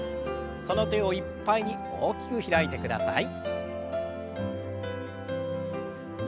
その手をいっぱいに大きく開いてください。